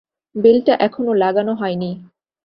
বেলটা এখনো লাগানো হয় নি।